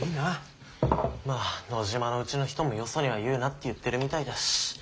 まあ野嶋のうちの人もよそには言うなって言ってるみたいだし。